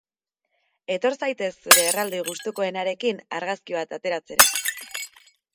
Etor zaitez zure erraldoi gustukoenarekin argazki bat ateratzera!